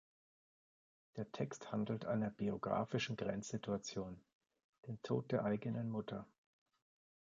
Der Text handelt einer biografischen Grenzsituation: dem Tod der eigenen Mutter.